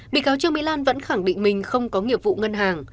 bị cáo trương mỹ lan vẫn khẳng định mình không có nghiệp vụ ngân hàng